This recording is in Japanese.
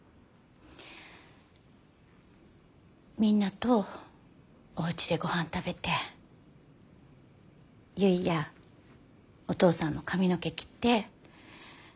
みんなとおうちで御飯食べて結やお父さんの髪の毛切って。